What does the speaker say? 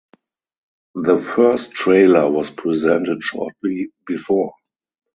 The first trailer was presented shortly before.